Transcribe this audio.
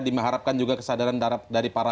dimaharapkan juga kesadaran dari para